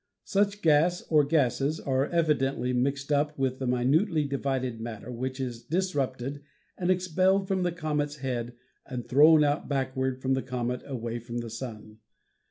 Such gas or gases are evidently mixed up with minutely divided matter which is disrupted and expelled from the comet's head and thrown out backward from the comet away from the Sun.